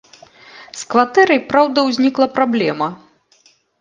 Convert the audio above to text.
З кватэрай, праўда, узнікла праблема.